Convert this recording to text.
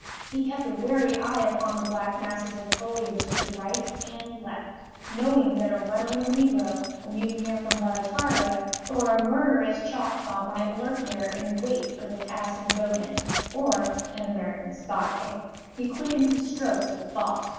He kept a wary eye upon the black masses of foliage to right and left, knowing that a runaway negro, a mutineer from Barataria, or a murderous Choctaw might lurk there in wait for the passing boatman; or an American spy, he quickened his strokes at the thought!